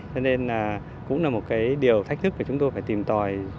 cho nên là cũng là một cái điều thách thức mà chúng tôi phải tìm tòi